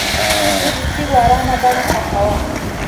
زه د تیږو ارامه بڼه خوښوم.